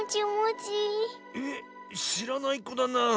えっしらないこだなあ。